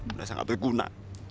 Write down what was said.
udah sangat berguna